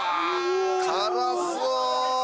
辛そう！